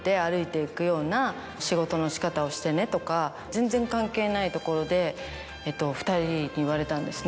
全然関係ないところで２人に言われたんですね。